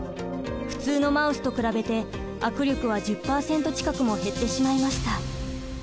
普通のマウスと比べて握力は１０％近くも減ってしまいました。